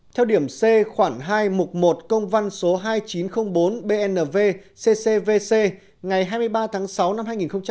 theo điểm c khoảng hai mục một công văn số hai nghìn chín trăm linh bốn bnv ccvc ngày hai mươi ba tháng sáu năm hai nghìn hai mươi